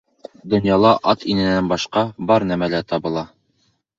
Донъяла ата-инәнән башҡа бар нәмә лә табыла.